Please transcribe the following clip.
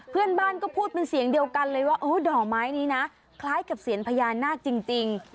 เพื่อนบ้านก็พูดเป็นเสียงเดียวกันเลยว่าดอกไม้นี้นะคล้ายกับเซียนพญานาคจริง